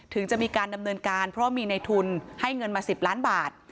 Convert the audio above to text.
ถึงจะมีการดำเนินการเพราะมีในทุนให้เงินมา๑๐ล้านบาท